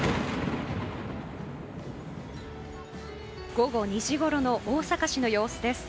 午後２時ごろの大阪市の様子です。